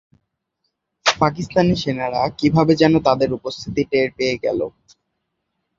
পাকিস্তানি সেনারা কীভাবে যেন তাদের উপস্থিতি টের পেয়ে গেল।